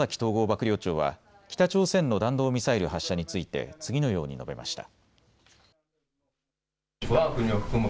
幕僚長は北朝鮮の弾道ミサイル発射について次のように述べました。